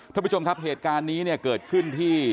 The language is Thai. ทุกผู้ชมครับเหตุการณ์นี้เกิดขึ้นที่